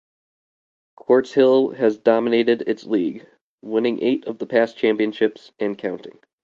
Quartz Hill has dominated its league, winning eight of the past championships, and counting.